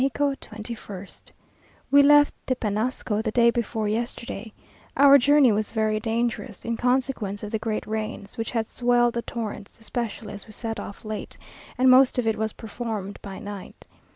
MEXICO, 21st. We left Tepenacasco the day before yesterday. Our journey was very dangerous, in consequence of the great rains, which had swelled the torrents; especially as we set off late, and most of it was performed by night.